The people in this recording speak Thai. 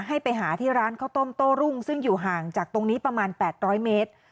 ให้ไปหาที่ร้านข้าวต้มโต้รุ่งซึ่งอยู่ห่างจากตรงนี้ประมาณ๘๐๐เมตร